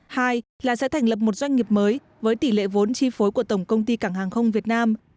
hai là sẽ thành lập một doanh nghiệp mới với tỷ lệ vốn chi phối của tổng công ty cảng hàng không việt nam